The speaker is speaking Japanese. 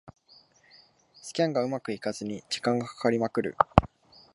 スキャンがうまくいかずに時間がかかりまくる